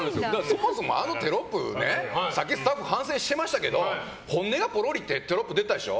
そもそもあのテロップね、さっきスタッフ反省してましたけど本音がポロリってテロップ出たでしょ。